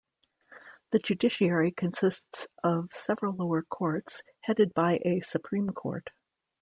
The judiciary consists of several lower courts headed by a Supreme Court.